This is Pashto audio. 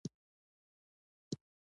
که مور مړه شي نو اولاد یې یتیم پاتې کېږي.